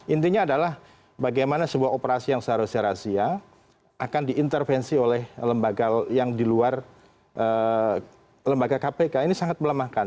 intinya adalah bagaimana sebuah operasi yang seharusnya rahasia akan diintervensi oleh lembaga yang di luar lembaga kpk ini sangat melemahkan